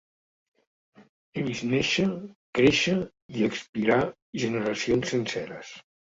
He vist néixer, créixer i expirar generacions senceres.